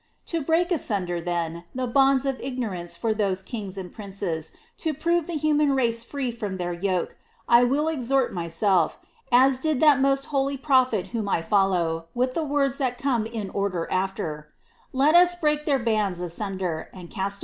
' To break asunder, then, the bonds of ignorance for those kings and princes, to prove the human race free from their yoke, I will exhort myself, as did that most holy prophet whom I follow, with the words that come in order after, " Let us break their bands asunder, and cast away their cords from us."